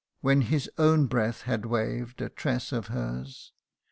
When his own breath had waved a tress of hers.